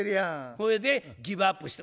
それでギブアップして。